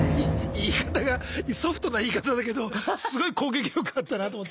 言い方がソフトな言い方だけどすごい攻撃力あったなと思って。